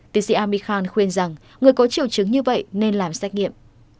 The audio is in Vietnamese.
tiến sĩ ami khan khuyên rằng người có triệu chứng như vậy nên làm xét nghiệm